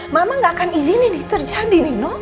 mama gak akan izinin ini terjadi nino